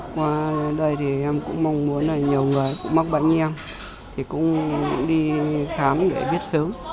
qua đây thì em cũng mong muốn nhiều người mắc bệnh như em thì cũng đi khám để biết sớm